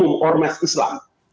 yang namanya badan koordinasi